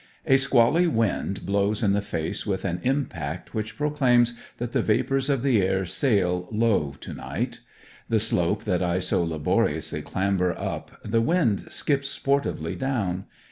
A squally wind blows in the face with an impact which proclaims that the vapours of the air sail low to night. The slope that I so laboriously clamber up the wind skips sportively down.